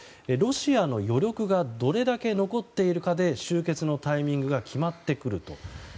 ロシアの余力がどれだけ残っているかで終結のタイミングが決まってくると。